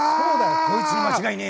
こいつに間違いねえ。